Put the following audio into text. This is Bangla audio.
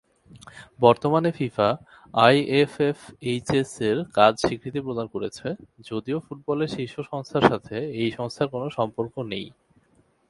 বর্তমানে ফিফা আইএফএফএইচএস-এর কাজ স্বীকৃতি প্রদান করেছে, যদিও ফুটবলের শীর্ষ সংস্থার সাথে এই সংস্থার কোন সম্পর্ক নেই।